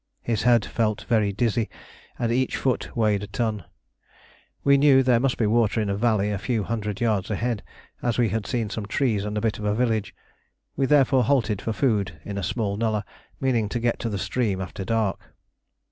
His head felt very dizzy and each foot weighed a ton. We knew there must be water in a valley a few hundred yards ahead, as we had seen some trees and a bit of a village. We therefore halted for food in a small nullah, meaning to get to the stream after dark.